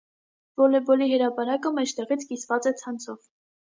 Վոլեբոլի հրապարակը մեջտեղից կիսված է ցանցով։